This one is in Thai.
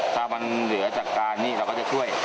ถ้ามันเหลือจากการนี่เราก็จะช่วย